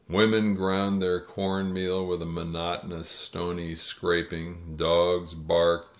Women ground their corn meal with a monotonous stony scraping. Dogs barked.